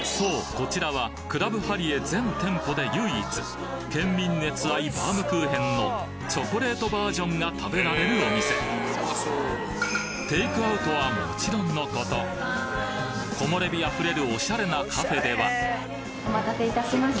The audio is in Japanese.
こちらは全店舗で県民熱愛バームクーヘンのチョコレートバージョンが食べられるお店テイクアウトはもちろんのこと木漏れ日あふれるおしゃれなカフェではお待たせいたしました。